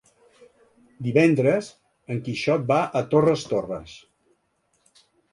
Divendres en Quixot va a Torres Torres.